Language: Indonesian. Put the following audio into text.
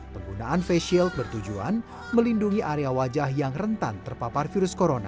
penggunaan face shield bertujuan melindungi area wajah yang rentan terpapar virus corona